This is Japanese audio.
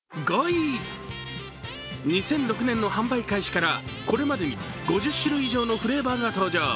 ２００６年の販売開始からこれまでに５０種類以上のフレーバーが登場。